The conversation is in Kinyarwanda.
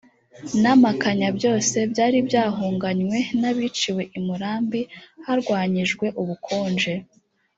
n amakanya byose byari byahunganywe n abiciwe i murambi harwanyijwe ubukonje